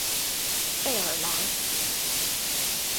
贝尔兰。